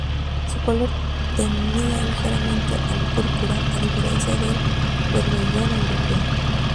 Su color tendía ligeramente al púrpura, a diferencia del bermellón europeo.